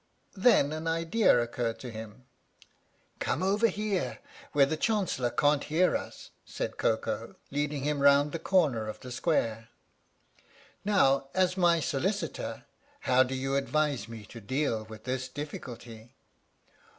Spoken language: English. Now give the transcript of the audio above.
Then an idea occurred to him. " Come over here, where the Chancellor can't hear us," said Koko, leading him round the corner of the square. "Now, as my Solicitor, how do you advise me to deal with this difficulty?"